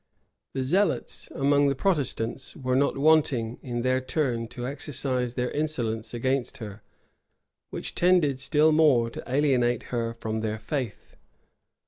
[] The zealots among the Protestants were not wanting, in their turn, to exercise their insolence against her, which tended still more to alienate her from their faith.